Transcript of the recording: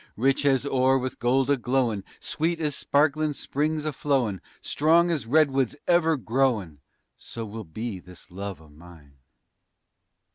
_ Rich as ore with gold a glowin', Sweet as sparklin' springs a flowin', Strong as redwoods ever growin', _So will be this love o' mine.